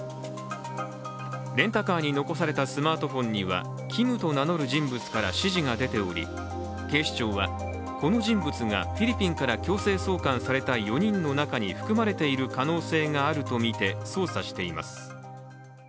レンタカーに残されたスマートフォンにはＫｉｍと名乗る人物から指示が出ており警視庁はこの人物がフィリピンから強制送還された４人の中に含まれている可能性があるとみて捜査しています。